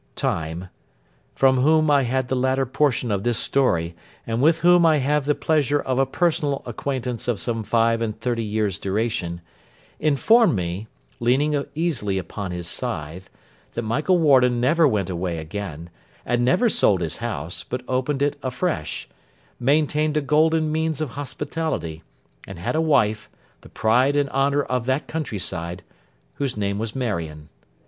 TIME—from whom I had the latter portion of this story, and with whom I have the pleasure of a personal acquaintance of some five and thirty years' duration—informed me, leaning easily upon his scythe, that Michael Warden never went away again, and never sold his house, but opened it afresh, maintained a golden means of hospitality, and had a wife, the pride and honour of that countryside, whose name was Marion.